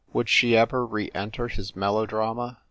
Would she ever re enter his melodrama?